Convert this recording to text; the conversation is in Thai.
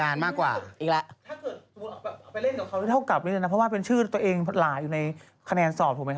เพราะฉะนั้นผู้ที่ภาวะต้องดีกว่านี้นะครับผม